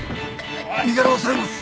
身柄を押さえます。